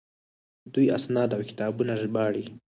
دوی اسناد او کتابونه ژباړي.